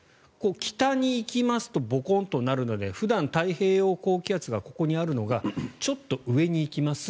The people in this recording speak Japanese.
北に行きますとボコンとなるので普段太平洋高気圧がここにあるのがちょっと上に行きます。